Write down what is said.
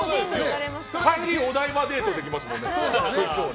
帰りにお台場デートもできますからね。